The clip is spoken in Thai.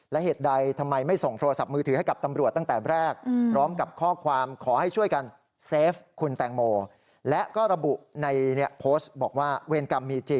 และเหตุใดทำไมไม่ส่งโทรศัพท์มือถือให้กับตำรวจตั้งแต่แรก